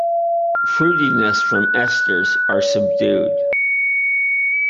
Fruitiness from esters are subdued.